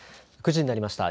９時になりました。